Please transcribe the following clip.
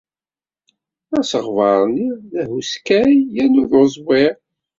Asegbar-nni d ahuskay yernu d uẓwir.